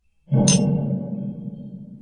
家臣们继续向纲村提出隐居的要求。